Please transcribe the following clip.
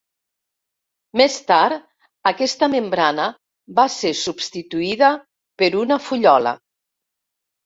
Més tard, aquesta membrana va ser substituïda per una fullola.